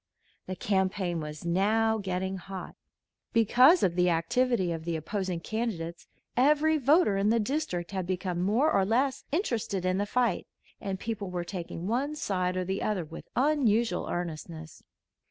The campaign was now getting hot. Because of the activity of the opposing candidates every voter in the district had become more or less interested in the fight, and people were taking one side or the other with unusual earnestness.